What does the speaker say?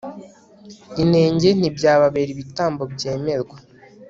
inenge ntibyababera ibitambo byemerwa